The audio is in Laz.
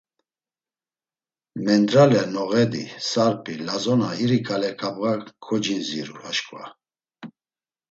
Mendrale Noğedi… Sarpi… Lazona iri ǩale ǩabğa kocindziru aşǩva.